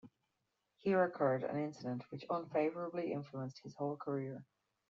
Here occurred an incident which unfavourably influenced his whole career.